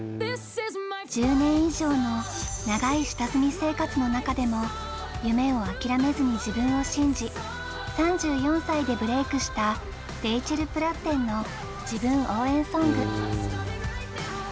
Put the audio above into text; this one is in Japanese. １０年以上の長い下積み生活の中でも夢を諦めずに自分を信じ３４歳でブレークしたＲａｃｈｅｌＰｌａｔｔｅｎの自分応援ソング。